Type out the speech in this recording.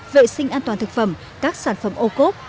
vệ sinh an toàn thực phẩm các sản phẩm ô cốp